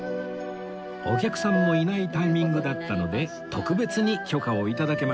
お客さんもいないタイミングだったので特別に許可を頂けました